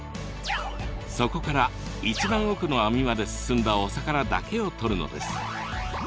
そこから一番奥の網まで進んだお魚だけをとるのです。